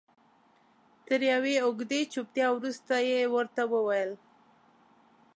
تر یوې اوږدې چوپتیا وروسته یې ورته وویل.